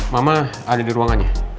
mama ada di ruangannya